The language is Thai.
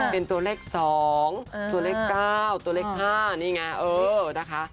เป็นตัวเลข๒ตัวเลข๙ตัวเลข๕นี่ไงเออนะคะ